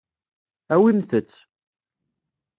Awimt-tt.